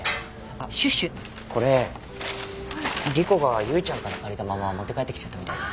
あっこれ莉子が結衣ちゃんから借りたまま持って帰ってきちゃったみたいで。